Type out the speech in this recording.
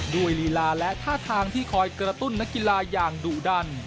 ลีลาและท่าทางที่คอยกระตุ้นนักกีฬาอย่างดุดัน